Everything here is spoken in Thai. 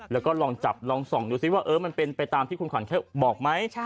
แล้วก็ลองจับลองส่องดูซิว่ามันเป็นไปตามที่คุณขวัญบอกไหม